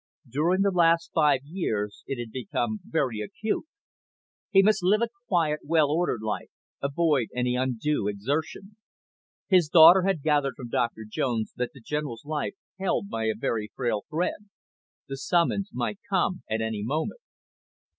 During the last five years it had become very acute. He must live a quiet, well ordered life, avoid any undue exertion. His daughter had gathered from Dr Jones that the General's life held by a very frail thread. The summons might come at any moment.